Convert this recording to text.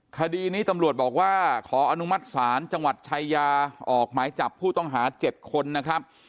คดีนี้ตำรวจบอกว่าขออนุมัติศาลจังหวัดชายาออกหมายจับผู้ต้องหา๗คนนะครับ